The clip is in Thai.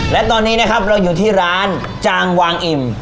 และตอนนี้นะครับเราอยู่ที่ร้านจางวางอิ่ม